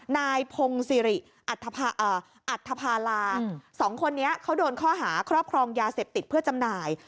นายพงศิริอัธภาราสองคนนี้เขาโดนข้อหาครอบครองยาเสพติดเพื่อจำหน่าย